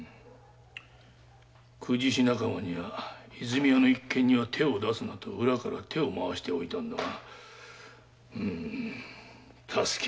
公事師仲間には和泉屋の一件には手を出すなと裏から手を回しておいたのだが助ける奴がいるとはな。